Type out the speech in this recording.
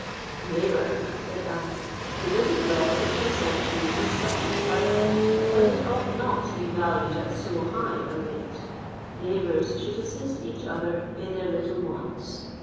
"Neighbour," said I, "the bit of lead which I sent you was such a trifle, that it ought not to be valued at so high a rate: neighbours should assist each other in their little wants.